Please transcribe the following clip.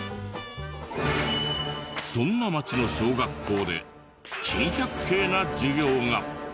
そんな町の小学校で珍百景な授業が。